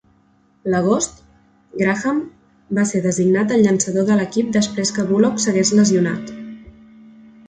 L'agost, Graham va ser designat el llançador de l'equip després que Bullock s'hagés lesionat.